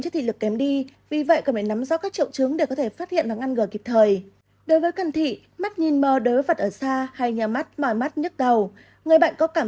các triệu chứng của tật khúc xạ bao gồm